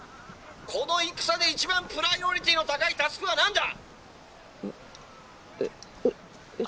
この戦で一番プライオリティーの高いタスクは何だ？」。えっえ？